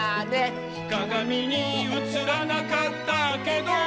「かがみにうつらなかったけど」